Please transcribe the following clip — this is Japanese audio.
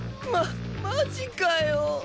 ママジかよ。